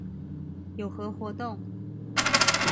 有何活動